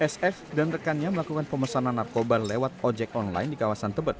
sf dan rekannya melakukan pemesanan narkoba lewat ojek online di kawasan tebet